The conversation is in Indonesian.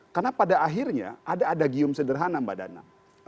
karena pada akhirnya ada ada gium sederhana mbak dana